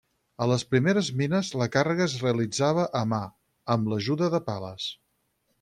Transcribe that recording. A les primeres mines la càrrega es realitzava a mà, amb l'ajuda de pales.